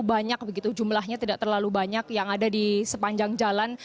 banyak begitu jumlahnya tidak terlalu banyak yang ada di sepanjang jalan